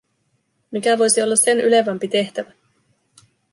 Mikä voisi olla sen ylevämpi tehtävä?